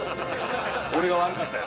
俺が悪かったよ